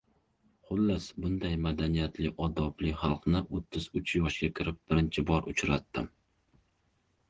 Hullas, bunday madaniyatli, odobli xalqni o‘ttiz uch yoshga kirib birinchi bor uchratdim.